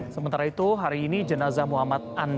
sementara itu hari ini jenazah muhammad andi